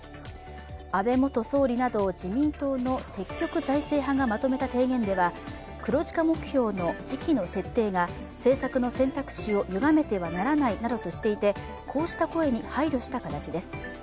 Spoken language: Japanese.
安倍元総理など自民党の積極財政派がまとめた提言では黒字化目標の時期の設定が政策の選択肢をゆがめてはならないなどとしていて、こうした声に配慮した形です。